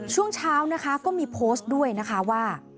ช่วงเช้านะคะก็มีโพสต์ด้วยนะคะว่า